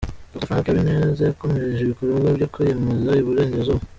Dr Frank Habineza yakomereje ibikorwa byo kwiyamamaza i Burengerazuba.